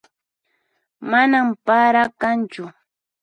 Manan para kanchu